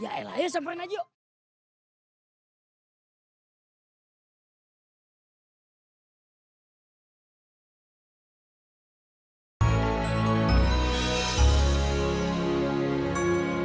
ya allah ayo sampai najuk